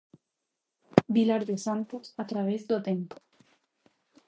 Vilar de Santos a través do tempo.